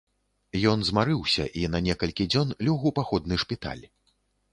Ён змарыўся і на некалькі дзён лёг у паходны шпіталь.